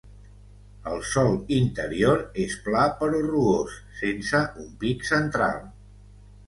El sòl interior és pla però rugós, sense un pic central.